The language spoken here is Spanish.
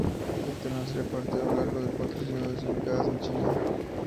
El torneo se repartió a lo largo de cuatro ciudades ubicadas en China.